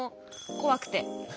怖くて。